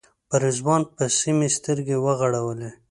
په رضوان پسې مې سترګې وغړولې.